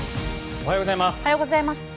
おはようございます。